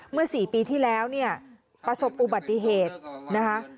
เมื่อ๔ปีที่แล้วเนี่ยประสบอุบัติเหตุนะคะ